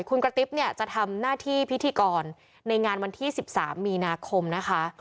คุณกระติ๊บเนี่ยจะทำหน้าที่พิธีกรในงานวันที่๑๓มีนาคมนะคะ